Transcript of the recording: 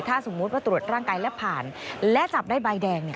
ถ้าสมมุติว่าตรวจร่างกายและผ่านและจับได้ใบแดงเนี่ย